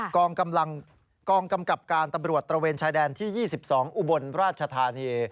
กองกำลังกองกำกับการตำรวจตระเวนชายแดนที่๒๒อุบลราชธานี